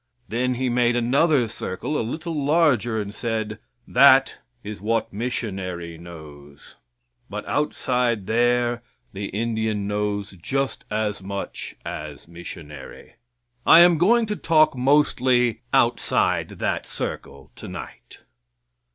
Then he made another circle a little larger and said, "that is what missionary knows; but outside there the Indian knows just as much as missionary." I am going to talk mostly outside that circle tonight.